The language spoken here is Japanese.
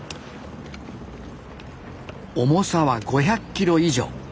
重さは５００キロ以上。